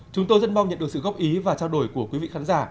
chúng tôi rất mong nhận được sự góp ý và trao đổi của quý vị khán giả